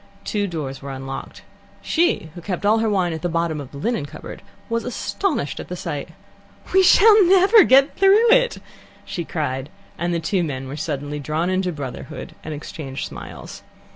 Two doors were unlocked. She, who kept all her wine at the bottom of the linen cupboard, was astonished at the sight. "We shall never get through it!" she cried, and the two men were suddenly drawn into brotherhood, and exchanged smiles.